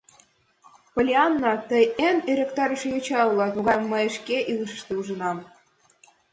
— Поллианна, тый эн ӧрыктарыше йоча улат, могайым мый шке илышыштем ужынам!